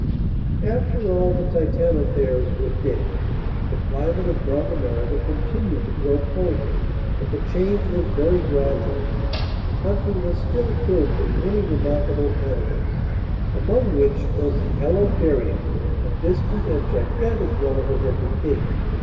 After all the Titanotheres were dead, the climate of North America continued to grow colder, but the change was very gradual. The country was still filled with many remarkable animals among which was the Elotherium, a distant and gigantic relative of the pig.